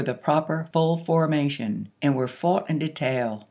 the proper full formation, and were fought in de "^^^^^^ tail."